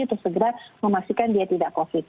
untuk segera memastikan dia tidak covid